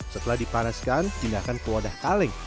setelah dipanaskan pindahkan ke wadah kaleng